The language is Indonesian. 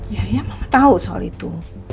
ya ya memang tahu soal itu